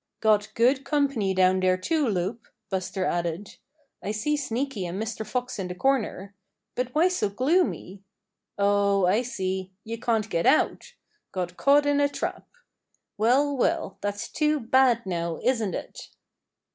"Got good company down there, too, Loup," Buster added. "I see Sneaky and Mr. Fox in the corner. But why so gloomy? Oh, I see, you can't get out! Got caught in a trap. Well, well, that's too bad now, isn't it?"